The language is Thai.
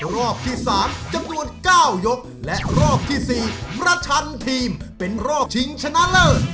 รอบที่สามจำนวนเก้ายกและรอบที่สี่บรรชันทีมเป็นรอบชิงชนะเลิศ